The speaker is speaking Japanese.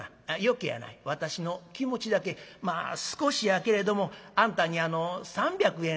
うけやない私の気持ちだけまあ少しやけれどもあんたに３００円